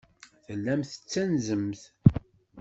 Tellamt tettanzemt.